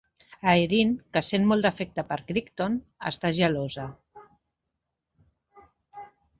Aeryn, que sent molt d'afecte per Crichton, està gelosa.